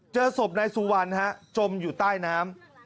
เจอศพนายสุวรรณจมอยู่ใต้น้ำ